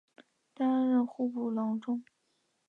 担任户部郎中。